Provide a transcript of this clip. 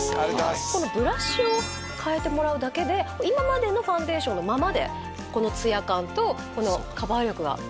ブラシをかえてもらうだけで今までのファンデーションのままでツヤ感とカバー力が手に入るんです。